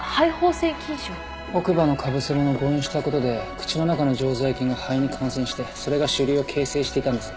奥歯のかぶせ物を誤嚥したことで口の中の常在菌が肺に感染してそれが腫瘤を形成していたんです。